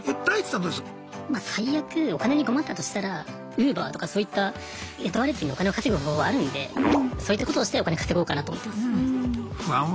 最悪お金に困ったとしたらＵｂｅｒとかそういった雇われずにお金を稼ぐ方法あるんでそういったことをしてお金稼ごうかなと思ってます。